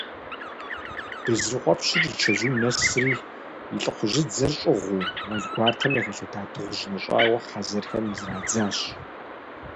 Безрыкъуэпщыр и чэзум нэсри, и лӏыхъужьыдзэр щӏыгъуу, мэл гуартэм яхэлъэда дыгъужь нэщӏауэ, хъэзэрхэм зрадзащ.